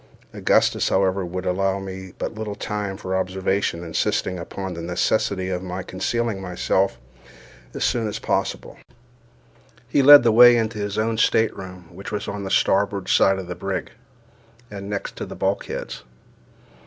Augustus, however, would allow me but little time for observation, insisting upon the necessity of my concealing myself as soon as possible. He led the way into his own stateroom, which was on the starboard side of the brig, and next to the bulkheads.